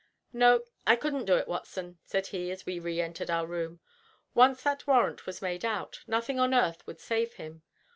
"No, I couldn't do it, Watson," said he, as we re entered our room. "Once that warrant was made out nothing on earth would save him.